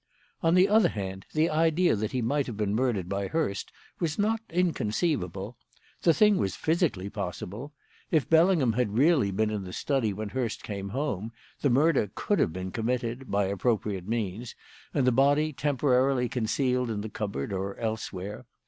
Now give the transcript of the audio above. "On the other hand, the idea that he might have been murdered by Hurst was not inconceivable. The thing was physically possible. If Bellingham had really been in the study when Hurst came home, the murder could have been committed by appropriate means and the body temporarily concealed in the cupboard or elsewhere.